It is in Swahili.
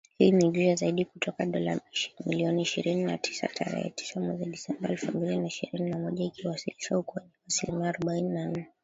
hii ni juu zaidi kutoka dola milioni ishirini na tisa ya tarehe tisa mwezi Disemba elfu mbili na ishirini na moja, ikiwasilisha ukuaji wa asilimia arobaini na nne